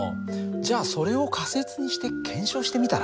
じゃあそれを仮説にして検証してみたら？